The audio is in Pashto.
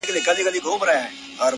قربانو زړه مـي خپه دى دا څو عمـر؛